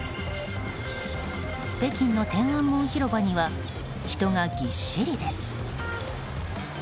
北京の天安門広場には人がぎっしりです。